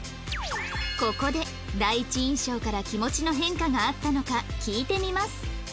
ここで第一印象から気持ちの変化があったのか聞いてみます